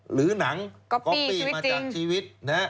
หรือหนังก็ก๊อปปี้มาจากชีวิต